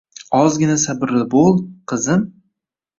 Ozgina sabrli bo`l, qizim